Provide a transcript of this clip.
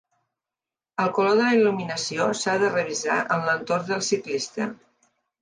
El color de la il·luminació s'ha de revisar en l'entorn del ciclista.